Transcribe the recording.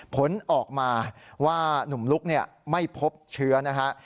ผลออกมาว่าหนุ่มลุกไม่พบเชื้อนะฮะ